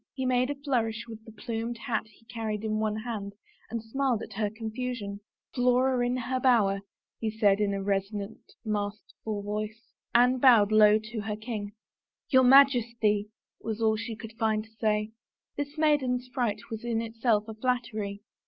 He made a flourish with the plumed hat he carried in one hand and smiled at her confusion. " Flora in her bower," said he, in a resonant masterful voice. 39 THE FAVOR OF KINGS Anne bowed low to her king. " Your Majesty I " was all she could find to say. This maiden fright was in itself a flattery.